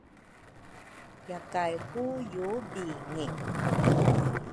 yakay ku yubingi